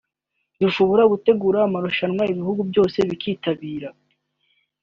dushobora gutegura amarushanwa ibihugu byose bikitabira